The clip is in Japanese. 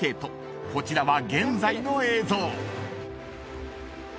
［こちらは現在の映像］